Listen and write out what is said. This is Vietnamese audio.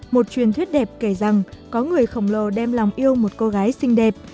một truyền thuyết đẹp kể rằng có người khổng lồ đem lòng yêu một cô gái xinh đẹp